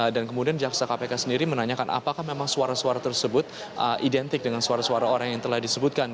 dan kemudian jaksa kpk sendiri menanyakan apakah memang suara suara tersebut identik dengan suara suara orang yang telah disebutkan